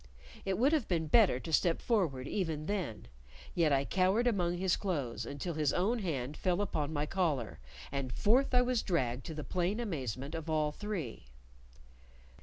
It would have been better to step forward even then. Yet I cowered among his clothes until his own hand fell upon my collar, and forth I was dragged to the plain amazement of all three.